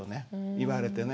言われてね。